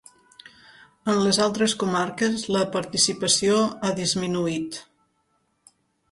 En les altres comarques, la participació ha disminuït.